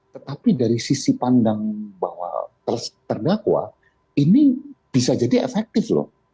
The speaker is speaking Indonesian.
tetapi dari sisi pandang bahwa terdakwa ini bisa jadi efektif loh